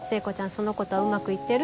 その子とはうまく行ってる？